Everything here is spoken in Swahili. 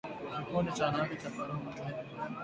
kikundi cha wanawake cha Paramount Hivi leo